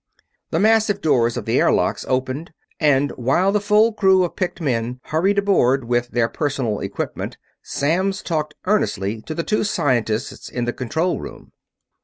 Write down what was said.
The massive doors of the airlocks opened, and while the full crew of picked men hurried aboard with their personal equipment, Samms talked earnestly to the two scientists in the control room.